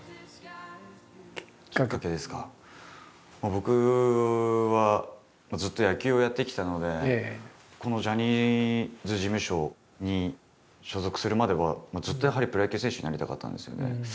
僕はずっと野球をやってきたのでこのジャニーズ事務所に所属するまではずっとやはりプロ野球選手になりたかったんですよね。